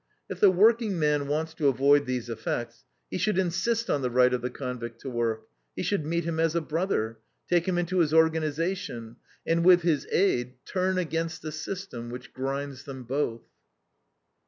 If the workingman wants to avoid these effects, he should INSIST on the right of the convict to work, he should meet him as a brother, take him into his organization, and WITH HIS AID TURN AGAINST THE SYSTEM WHICH GRINDS THEM BOTH.